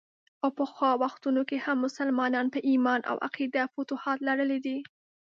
او پخوا وختونو کې هم مسلمانانو په ايمان او عقیده فتوحات لرلي دي.